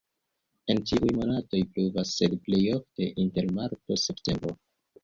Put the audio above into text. En ĉiuj monatoj pluvas, sed plej ofte inter marto-septembro.